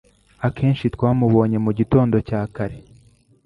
Akenshi twamubonye mugitondo cya kare